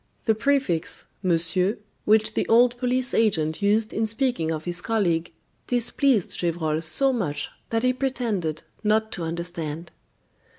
The prefix, "monsieur," which the old police agent used in speaking of his colleague, displeased Gevrol so much that he pretended not to understand.